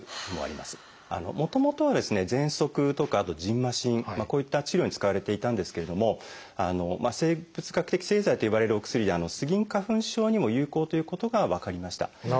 もともとはですねぜんそくとかあとじんましんこういった治療に使われていたんですけれども「生物学的製剤」といわれるお薬でスギ花粉症にも有効ということが分かりました。